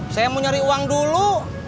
saya mau nyari uang dulu